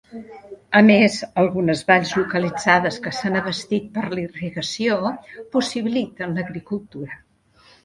A més, algunes valls localitzades que s'han abastit per la irrigació possibiliten l'agricultura.